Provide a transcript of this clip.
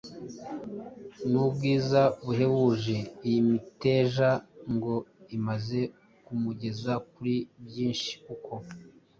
n’ubwiza buhebuje. Iyi miteja ngo imaze kumugeza kuri byinshi kuko